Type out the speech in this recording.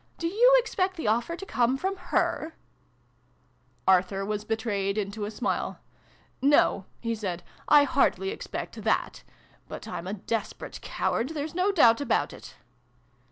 Do you expect the offer to come from her ?" Arthur was betrayed into a smile. " No," he said, " I hardly expect that. But I'm a desperate coward. There's no doubt about it